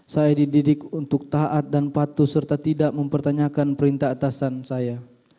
saya dididik untuk taat dan patuh serta tidak mempertanyakan perintah atasan saya